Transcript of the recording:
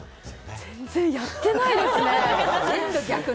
全然やってないですね。